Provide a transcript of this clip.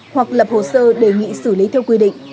hoặc lập hồ sơ đề nghị xử lý theo quy định